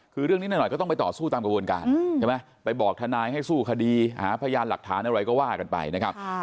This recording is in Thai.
คือเรื่องนี้หน่อยก็ต้องไปต่อสู้ตามกระบวนการใช่ไหมไปบอกทนายให้สู้คดีหาพยานหลักฐานอะไรก็ว่ากันไปนะครับ